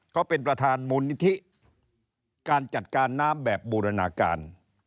เขาเป็นประธานมูลนิธิการจัดการน้ำแบบบูรณาการ